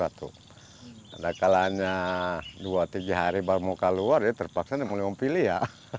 ada kalanya dua tiga hari baru mau keluar dia terpaksa memilih ya